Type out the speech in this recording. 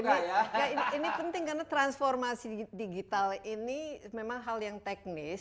nah ini penting karena transformasi digital ini memang hal yang teknis